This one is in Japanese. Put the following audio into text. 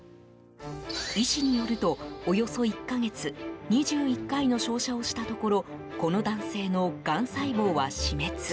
医師によると、およそ１か月２１回の照射をしたところこの男性のがん細胞は死滅。